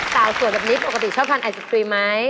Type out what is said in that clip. สวยแบบนี้ปกติชอบทานไอศครีมไหม